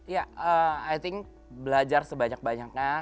ya i think belajar sebanyak banyaknya